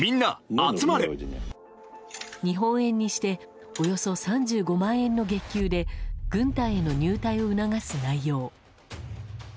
日本円にしておよそ３５万円の月給で軍隊への入隊を促す内容。